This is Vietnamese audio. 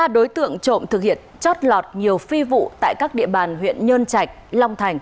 ba đối tượng trộm thực hiện chót lọt nhiều phi vụ tại các địa bàn huyện nhơn trạch long thành